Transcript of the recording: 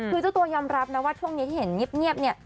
คือเจ้าตัวยอมรับนะว่าช่วงนี้ที่เห็นเงียบเนี่ย